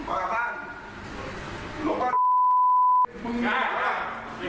ไม่รู้อะไรกับใคร